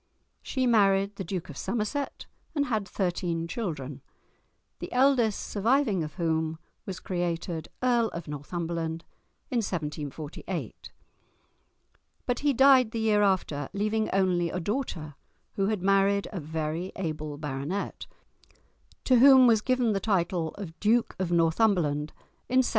She married the Duke of Somerset, and had thirteen children, the eldest surviving of whom was created Earl of Northumberland in 1748. But he died the year after, leaving only a daughter, who had married a very able baronet, to whom was given the title of Duke of Northumberland in 1766.